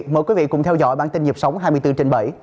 mời quý vị cùng theo dõi bản tin nhịp sống hai mươi bốn trên bảy